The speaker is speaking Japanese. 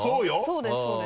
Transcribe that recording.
そうですそうです。